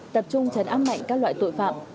tập trung chấn áp mạnh các loại tội phạm